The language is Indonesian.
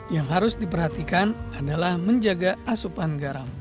yang harus diperhatikan adalah menjaga asupan garam